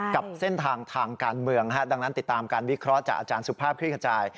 กับเส้นทางทางการเมืองดังนั้นติดตามการวิเคราะห์จากอาจารย์สุภาพคลิกขจาย